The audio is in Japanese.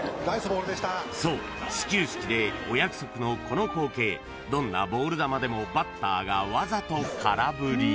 ［そう始球式でお約束のこの光景どんなボール球でもバッターが］